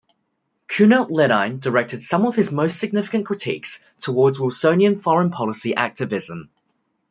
Kuehnelt-Leddihn directed some of his most significant critiques towards Wilsonian foreign policy activism.